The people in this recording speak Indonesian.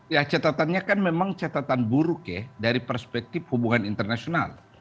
ya catatannya kan memang catatan buruk ya dari perspektif hubungan internasional